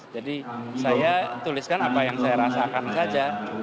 jadi saya tuliskan apa yang saya rasakan saja